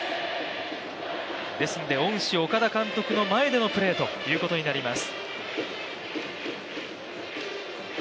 ですので、恩師、岡田監督の前でのプレーということになります。